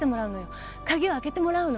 鍵を開けてもらうの！